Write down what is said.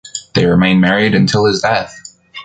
They remained married until his death.